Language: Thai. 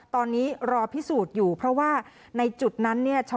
ตอนนี้รอพิสูจน์อยู่เพราะว่าในจุดนั้นเนี่ย